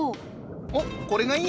おっこれがいいや。